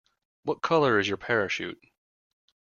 What colour is your parachute?